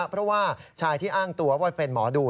เพราะว่าชายที่อ้างตัวว่าเป็นหมอดู